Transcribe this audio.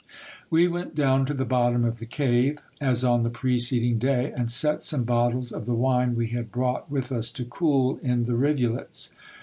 We went down to the bottom of the cave, as on the preceding day, and set some bottles of the wine we had brought with us to cool in the rivulets.